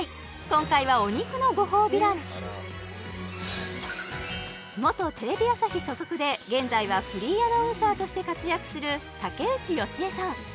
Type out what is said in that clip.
今回はお肉のご褒美ランチ元テレビ朝日所属で現在はフリーアナウンサーとして活躍する竹内由恵さん